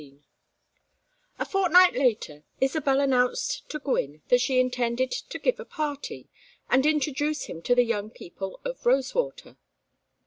XIV A fortnight later Isabel announced to Gwynne that she intended to give a party and introduce him to the young people of Rosewater.